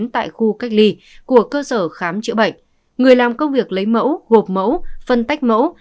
tại khu cách ly của cơ sở khám chữa bệnh người làm công việc lấy mẫu gộp mẫu phân tách mẫu